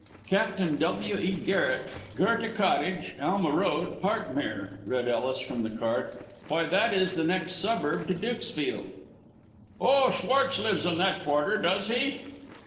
"Captain W. E. Garret, Goethe Cottage, Alma Road, Parkmere," read Ellis from the card. "Why, that is the next suburb to Dukesfield." "Oh, Schwartz lives in that quarter, does he?"